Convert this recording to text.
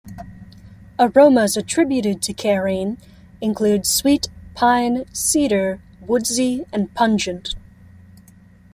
Aromas attributed to carene include sweet, pine, cedar, woodsy, and pungent.